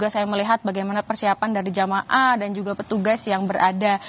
saya melihat bagaimana persiapan dari jamaah dan juga petugas yang berada